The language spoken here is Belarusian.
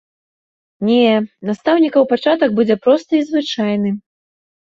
Не, настаўнікаў пачатак будзе просты і звычайны.